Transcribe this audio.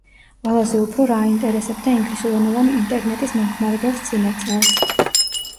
ყველაზე უფრო რა აინტერესებდა ინგლისურენოვან ინტერნეტის მომხმარებელს წინა წელს?